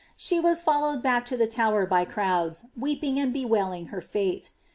She wae followed back to the Tower by crowda, woephy lai bewailing her frte.